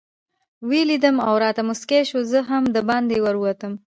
ویې لیدم او راته مسکۍ شوه، زه هم دباندې ورووتم.